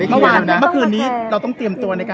แต่จากการที่เราพูดกันแล้วว่าพี่เค้าโอเคไหมคะ